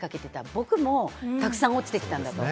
僕もたくさん落ちてきたんだよと。